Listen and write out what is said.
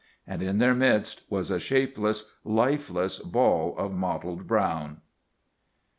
And in their midst was a shapeless, lifeless ball of mottled brown.